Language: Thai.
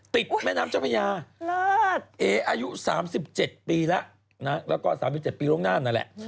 แม่น้ำเจ้าพญาเออายุ๓๗ปีแล้วนะแล้วก็๓๗ปีล่วงหน้านั่นแหละ